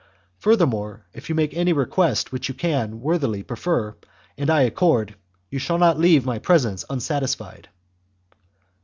Furthermore, if you make any request which you can worthily prefer and I accord, you shall not leave my presence unsatisfied."